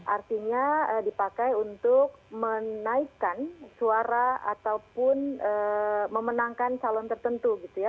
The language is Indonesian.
artinya dipakai untuk menaikkan suara ataupun memenangkan calon tertentu gitu ya